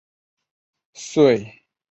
岁贡生出身。